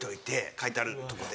書いてあるとこで。